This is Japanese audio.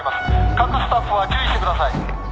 各スタッフは注意してください。